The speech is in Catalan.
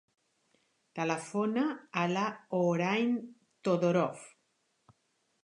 Telefona a la Hoorain Todorov.